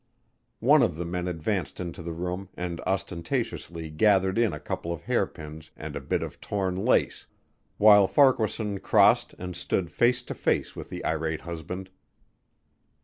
One of the men advanced into the room and ostentatiously gathered in a couple of hairpins and a bit of torn lace, while Farquaharson crossed and stood face to face with the irate husband.